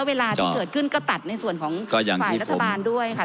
เวลาที่เกิดขึ้นก็ตัดในส่วนของฝ่ายรัฐบาลด้วยค่ะ